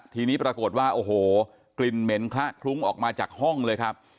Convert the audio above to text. ทีนี้ปรากฏว่าโอ้โหกลิ่นเหม็นคละคลุ้งออกมาจากห้องเลยครับ